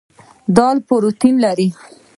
دال پروټین لري.